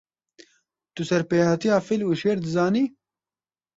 Tu serpêhatiya fîl û şêr dizanî?